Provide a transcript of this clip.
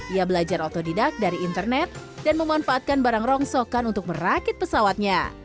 ia belajar otodidak dari internet dan memanfaatkan barang rongsokan untuk merakit pesawatnya